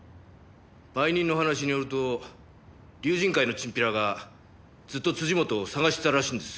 売人の話によると龍神会のチンピラがずっと本を捜してたらしいんです。